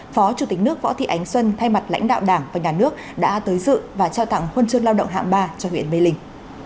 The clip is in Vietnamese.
phó chủ tịch nước võ thị ánh xuân thay mặt lãnh đạo đảng và nhà nước đã tới dự và trao tặng huân chương lao động hạng ba cho huyện mê linh